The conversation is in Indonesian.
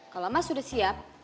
kalau mas sudah siap